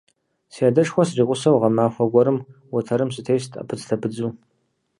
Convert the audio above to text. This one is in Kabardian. Си адэшхуэм сригъусэу, гъэмахуэ гуэрым уэтэрым сытест Ӏэпыдзлъэпыдзу.